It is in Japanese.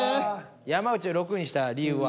山内を６位にした理由は？